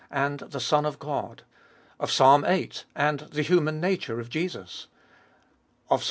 and the Son of God; of Ps. viii. and the human nature of Jesus; of Ps.